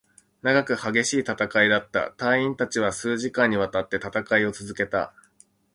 長く、激しい戦いだった。隊員達は数時間に渡って戦いを続けた。